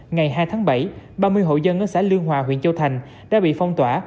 ngày hai tháng bảy ba mươi hộ dân ở xã lương hòa huyện châu thành đã bị phong tỏa